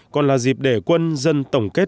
còn là dịp để quân dân tổng kết